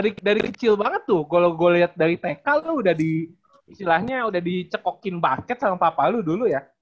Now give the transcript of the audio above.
iya lu dari kecil banget tuh kalau gue liat dari tk lu udah di istilahnya udah dicekokin basket sama papa lu dulu ya